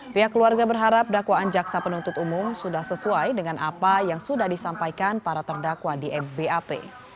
pihak keluarga berharap dakwaan jaksa penuntut umum sudah sesuai dengan apa yang sudah disampaikan para terdakwa di bap